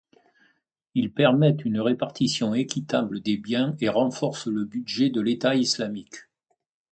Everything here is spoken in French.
Ils permettent une répartition équitable des biens et renforcent le budget de l'État islamique.